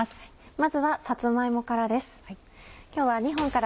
まずはさつま芋からです。